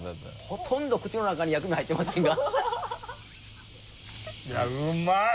ほとんど口の中に薬味入ってませんが。